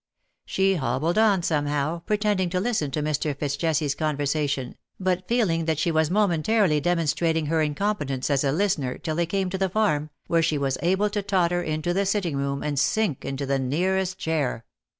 She hobbled on somehow, pretending to listen to Mr. Fitz Jesse's conversation, but feeling that she was momentarily demonstrating her incompetence as a listener, till they came to the farm, where she was just able to totter into the sitting room, and sink into the nearest chair.